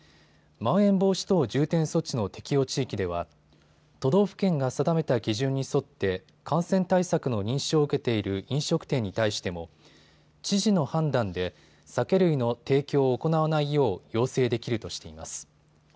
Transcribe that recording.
まん延防止等重点措置の適用地域では都道府県が定めた基準に沿って感染対策の認証を受けている飲食店に対しても知事の判断で酒類の提供を行わないよう要請できるとしています。